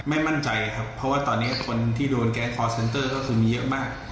ไม่มั่นใจครับเพราะว่าตอนนี้คนที่โดนแก๊งคอร์เซ็นเตอร์ก็คือมีเยอะมาก